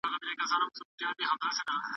د سمارټ فون کارول د خوب ګډوډي زیاتوي.